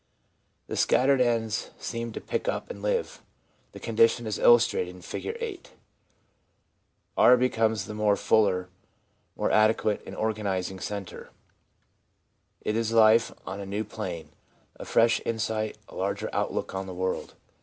The scattered ends seem to pick up and live. The condition is illustrated in Figure 8. R becomes the fuller, more adequate organising centre. It is life on a new plane, a fresh insight, a larger outlook on the world.